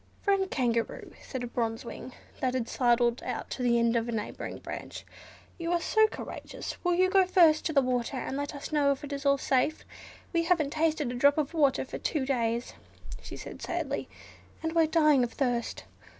"Friend Kangaroo," said a Bronze Wing that had sidled out to the end of a neighbouring branch, "you are so courageous, will you go first to the water, and let us know if it is all safe? We haven't tasted a drop of water for two days," she said, sadly, "and we're dying of thirst.